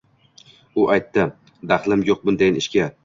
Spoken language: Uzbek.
U aytdi: „Daxlim yo‘q bundayin ishga